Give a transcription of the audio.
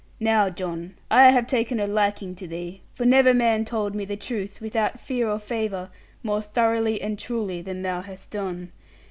Now, John, I have taken a liking to thee, for never man told me the truth, without fear or favour, more thoroughly and truly than thou hast done.